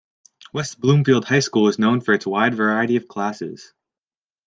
West Bloomfield High School is known for its wide variety of classes.